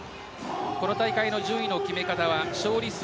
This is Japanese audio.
この大会の順位の決め方は勝利数